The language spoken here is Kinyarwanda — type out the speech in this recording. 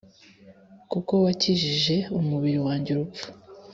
Kuko wakijije umubiri wanjye urupfu